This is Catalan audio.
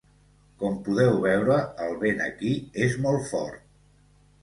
Com podeu veure el vent aquí és molt fort.